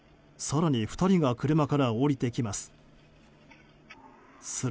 更に２人が車から降りてきます。